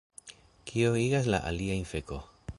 Kio igas la aliajn feko